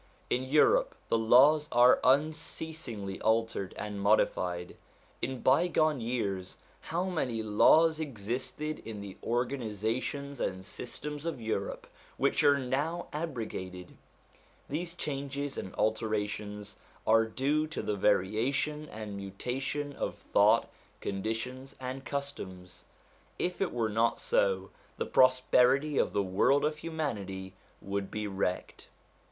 In Europe the laws are unceasingly altered and modified ; in bygone years, how many laws existed in the organisations and systems of Europe, which are now abrogated ! These changes and alterations are due to the variation and mutation of thought, conditions, and customs. If it were not so, the prosperity of the world of humanity would be wrecked.